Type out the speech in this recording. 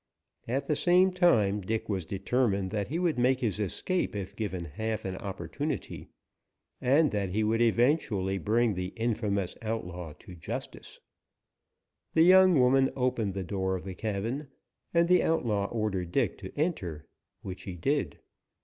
At the same time Dick was determined that he would make his escape if given half an opportunity, and that he would eventually bring the infamous outlaw to justice. The young woman opened the door of the cabin, and the outlaw ordered Dick to enter, which he did.